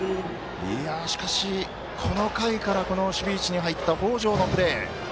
しかし、この回からこの守備位置に入った北條のプレー。